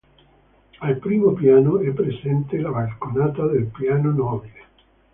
Al primo piano è presente la balconata del piano nobile.